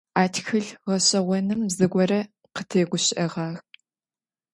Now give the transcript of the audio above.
А тхылъ гъэшӏэгъоным зыгорэ къытегущыӏэгъагъ.